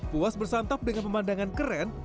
puas bersantap dengan pemandangan keren